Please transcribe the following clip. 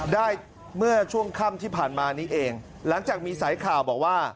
เมื่อช่วงค่ำที่ผ่านมานี้เองหลังจากมีสายข่าวบอกว่า